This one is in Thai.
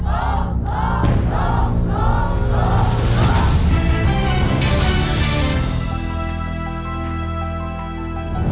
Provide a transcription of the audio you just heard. สวัสดีครับ